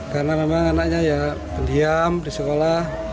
karena memang anaknya ya pendiam di sekolah